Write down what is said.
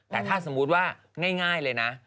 แต่ถ้าสมมุติว่าง่ายเลยนะ